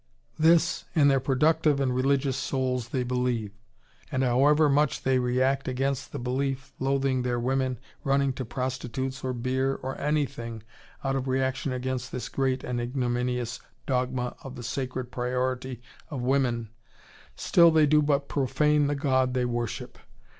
This, in their productive and religious souls, they believe. And however much they may react against the belief, loathing their women, running to prostitutes, or beer or anything, out of reaction against this great and ignominious dogma of the sacred priority of women, still they do but profane the god they worship.